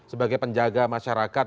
sebagai penjaga masyarakat